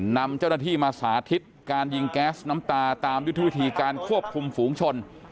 นำเจ้าหน้าที่มาสาธิตการยิงแก๊สน้ำตาตามยุทธวิธีการควบคุมฝูงชน